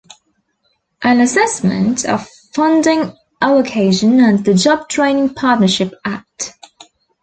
An assessment of funding allo- cation under the Job Training Partnership Act.